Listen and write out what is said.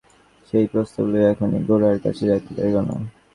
সে এ প্রস্তাব লইয়া এখনই গোরার কাছে যাইতে পারিল না।